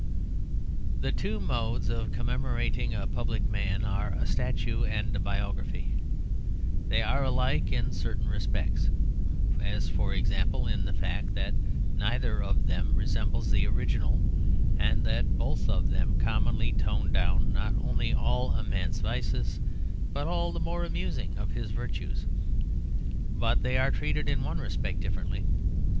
The two modes of commemorating a public man are a statue and a biography. They are alike in certain respects, as, for example, in the fact that neither of them resembles the original, and that both of them commonly tone down not only all a man's vices, but all the more amusing of his virtues. But they are treated in one respect differently.